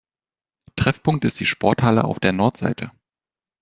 Treffpunkt ist die Sporthalle auf der Nordseite.